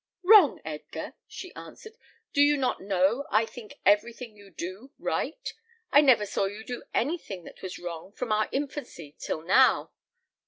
"Wrong, Edgar!" she answered; "do you not know I think everything you do right? I never saw you do anything that was wrong from our infancy till now."